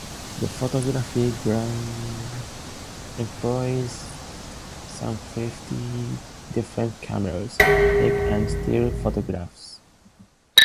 The photography group employed some fifty different cameras, taking motion and still photographs.